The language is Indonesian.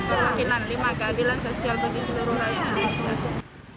kelampinan lima keadilan sosial bagi seluruh rakyat